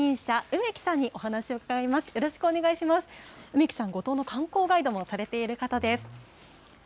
梅木さん、五島の観光ガイドもされている方です。